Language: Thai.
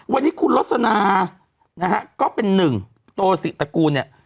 วันนี้คุณลสนานะฮะก็เป็นหนึ่งโตศิตระกูลเนี่ย